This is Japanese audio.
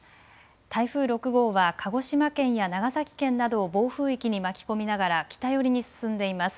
台風６号は鹿児島県や長崎県などを暴風域に巻き込みながら北寄りに進んでいます。